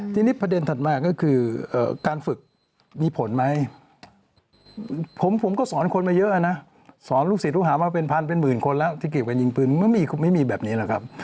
ที่เก็บกันยิงพื้นไม่มีแบบนี้หรอกครับ